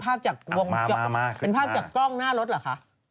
ภาพจากกล้องหน้ารถเหรอค่ะ